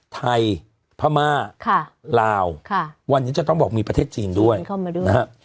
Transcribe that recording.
ไทยพม่าค่ะลาวค่ะวันนี้จะต้องบอกมีประเทศจีนด้วยจีนเข้ามาด้วยนะฮะ